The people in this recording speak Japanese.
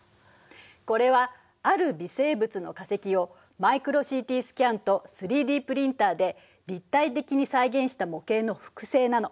これはある微生物の化石をマイクロＣＴスキャンと３Ｄプリンターで立体的に再現した模型の複製なの。